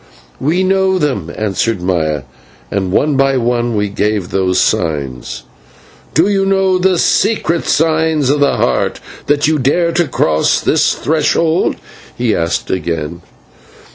"We know them," answered Maya. And one by one we gave those signs. "Do you know the secret signs of the Heart, that you dare to cross this threshold?" he asked again.